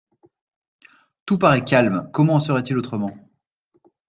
Tout parait calme, comment en serait-il autrement?